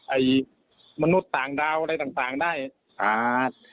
ไอ้มนุษย์ต่างดาวอะไรต่างต่างได้อ่า